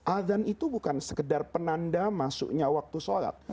azan itu bukan sekedar penanda masuknya waktu sholat